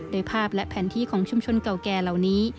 โดยภาพและแผนที่ของชุมชนเก่าแก่เหล่านี้